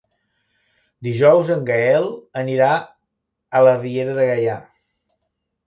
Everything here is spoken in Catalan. Dijous en Gaël anirà a la Riera de Gaià.